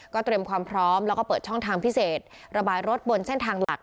เตรียมความพร้อมแล้วก็เปิดช่องทางพิเศษระบายรถบนเส้นทางหลัก